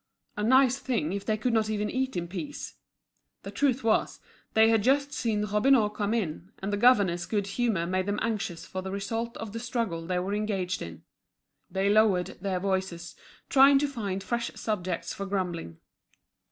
A nice thing, if they could not even eat in peace! The truth was, they had just seen Robineau come in, and the governor's good humour made them anxious for the result of the struggle they were engaged in. They lowered their voices, trying to find fresh subjects for grumbling.